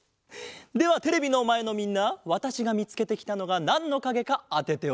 ではテレビのまえのみんなわたしがみつけてきたのがなんのかげかあてておくれ。